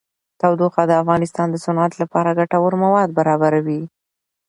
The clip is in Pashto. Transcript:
تودوخه د افغانستان د صنعت لپاره ګټور مواد برابروي.